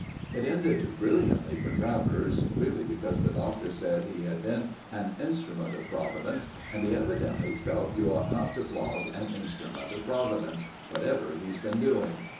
It ended brilliantly for Travers, really, because the Doctor said he had been an instrument of Providence, and he evidently felt you ought not to flog an instrument of Providence, whatever he's been doing.